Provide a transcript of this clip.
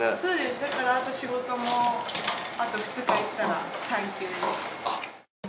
だからあと仕事もあと２日行ったら産休です。